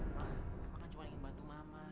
mak aku kan cuma ingin bantu mama